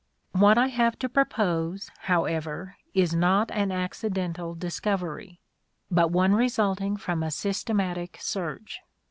What I have to propose, however, is not an accidental discovery, but one resulting from a systematic search.